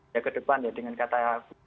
ya ke depan ya dengan kata